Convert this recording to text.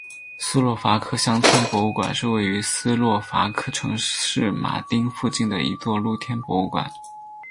斯洛伐克乡村博物馆是位于斯洛伐克城市马丁附近的一座露天博物馆。